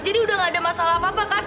jadi udah gak ada masalah apa apa kan